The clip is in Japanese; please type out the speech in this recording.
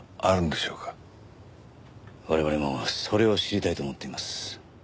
我々もそれを知りたいと思っています。